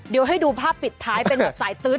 เดี๋ยวให้ดูภาพปิดท้ายเป็นแบบสายตื๊ด